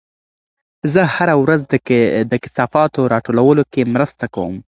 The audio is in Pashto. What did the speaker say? زه هره ورځ د کثافاتو راټولولو کې مرسته کوم.